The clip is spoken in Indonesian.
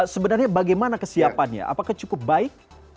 sebenarnya bagaimana kesiapannya apakah cukup baik